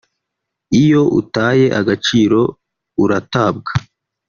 Iyo utaye agaciro uratabwa